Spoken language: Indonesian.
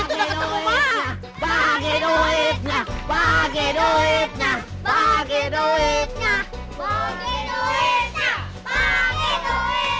duit udah ketemu maaa